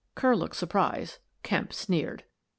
Kerr looked surprised. Kemp sneered.